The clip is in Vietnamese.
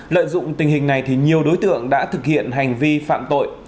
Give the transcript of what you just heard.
lợi dụng tình hình này thì nhiều đối tượng đã thực hiện hành vi phạm tội